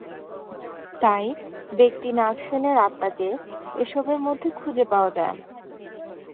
তাই ব্যক্তি নাগসেনের আত্মাকে এসবের মধ্যে খুঁজে পাওয়া যায় না।